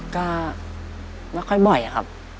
ก็ไม่ค่อยบ่อยครับ